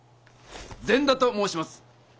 善田ともうします。